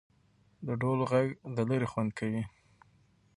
د ډول ږغ د ليري خوند کيي.